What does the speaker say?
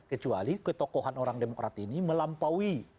kecuali ketokohan orang demokrat ini melampaui